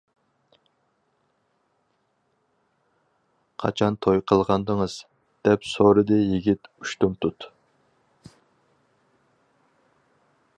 -قاچان توي قىلغانىدىڭىز؟ دەپ سورىدى يىگىت ئۇشتۇمتۇت.